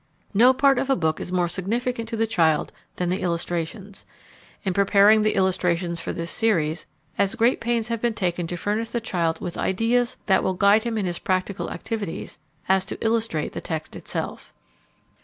No part of a book is more significant to the child than the illustrations. In preparing the illustrations for this series as great pains have been taken to furnish the child with ideas that will guide him in his practical activities as to illustrate the text itself.